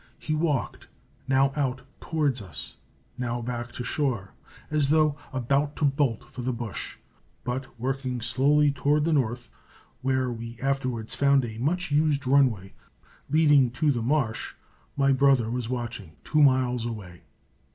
He walked, now out toward us, now back to shore, as though about to bolt for the bush, but working slowly toward the north, where we afterwards found a much used runway, leading to the marsh my brother was watching, two miles away.